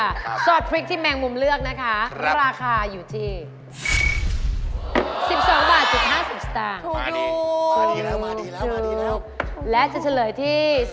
อู้ซอสพริกละเป็นคนที่ไหนคะเนี่ย